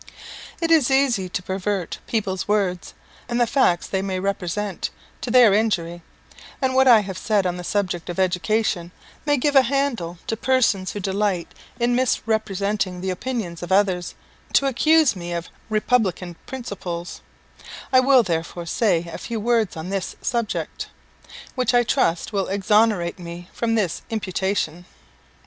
It is easy to pervert people's words, and the facts they may represent, to their injury; and what I have said on the subject of education may give a handle to persons who delight in misrepresenting the opinions of others, to accuse me of republican principles; I will, therefore, say a few words on this subject, which I trust will exonerate me from this imputation.